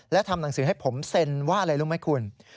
และทำหนังสือให้ผมเซ็นว่าอะไรรู้ไหมคุณ